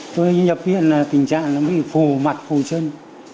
tôi nhập viện là tình trạng bị phù mặt phù chân